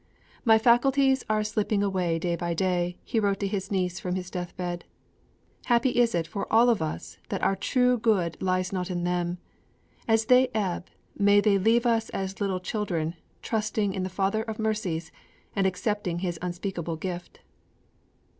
_ 'My faculties are slipping away day by day,' he wrote to his niece from his deathbed. 'Happy is it for all of us that our true good lies not in them. As they ebb, may they leave us as little children trusting in the Father of Mercies and accepting His unspeakable gift.'